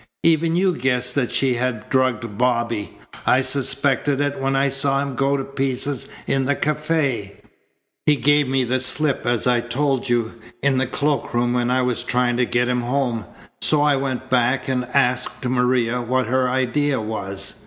Even you guessed that she had drugged Bobby. I suspected it when I saw him go to pieces in the cafe. He gave me the slip, as I told you, in the coat room when I was trying to get him home, so I went back and asked Maria what her idea was.